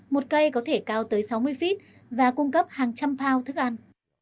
một cây có thể cao tới sáu mươi feet và cung cấp hàng trăm poun thức ăn